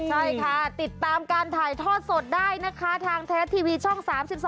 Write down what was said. ใช่ค่ะติดตามการถ่ายทอดสดได้นะคะทางไทยรัฐทีวีช่อง๓๒